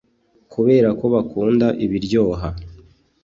Kubera ko bakunda ibiryoha